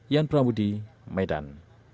yan pramudi medan